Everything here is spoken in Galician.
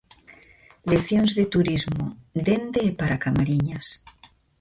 Leccións de turismo dende e para Camariñas.